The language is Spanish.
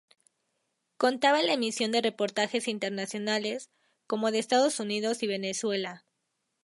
Contaba la emisión de reportajes internacionales, como de Estados Unidos y Venezuela.